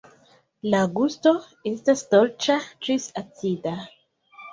La gusto estas dolĉa ĝis acida.